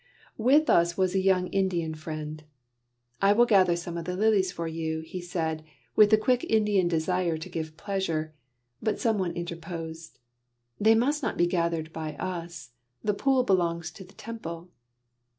With us was a young Indian friend. "I will gather some of the lilies for you," he said, with the quick Indian desire to give pleasure; but some one interposed: "They must not be gathered by us. The pool belongs to the Temple."